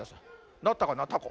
なったかなたこ。